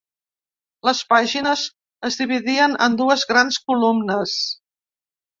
Les pàgines es dividien en dues grans columnes.